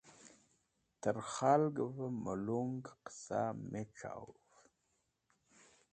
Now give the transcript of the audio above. Tẽr khalgvẽ melong qẽsa me c̃hawũv.